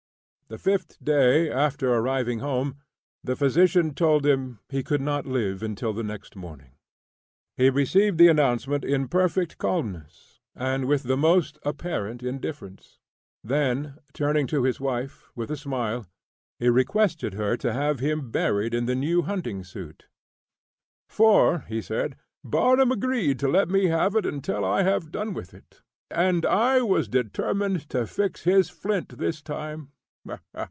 The fifth day after arriving home, the physician told him he could not live until the next morning. He received the announcement in perfect calmness, and with the most apparent indifference; then, turning to his wife, with a smile, he requested her to have him buried in the new hunting suit. "For," said he, "Barnum agreed to let me have it until I have done with it, and I was determined to fix his flint this time.